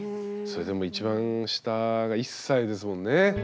それでも一番下が１歳ですもんね。